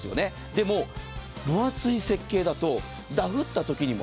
でも分厚い設計だとダフったときにも